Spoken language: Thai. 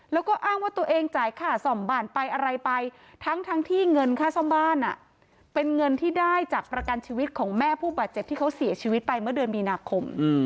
แล้วก็อ้างว่าตัวเองจ่ายค่าส่อมบ้านไปอะไรไปทั้งที่เงินค่าซ่อมบ้านเป็นเงินที่ได้จากประกันชีวิตของแม่ผู้บาดเจ็บที่เขาเสียชีวิตไปเมื่อเดือนมีนาคม